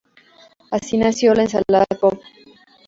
Así nació la ensalada Cobb.